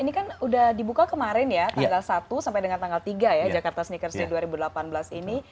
ini kan udah dibuka kemarin ya tanggal satu sampai dengan tanggal tiga ya jakarta sneakers day dua ribu delapan belas ini